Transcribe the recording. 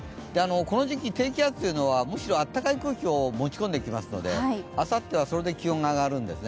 この時期、低気圧というのはむしろ暖かい空気を持ち込んできますのであさってはそれで上がるんですね。